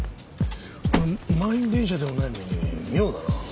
満員電車でもないのに妙だな。